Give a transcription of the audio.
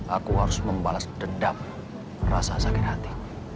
aku harus membalas dendam rasa sakit hati